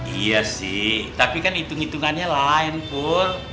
iya sih tapi kan hitung hitungannya lain full